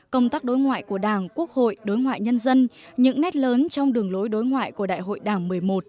công tác đối ngoại của đảng quốc hội đối ngoại nhân dân những nét lớn trong đường lối đối ngoại của đại hội đảng một mươi một